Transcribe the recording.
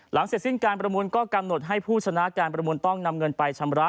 เสร็จสิ้นการประมูลก็กำหนดให้ผู้ชนะการประมูลต้องนำเงินไปชำระ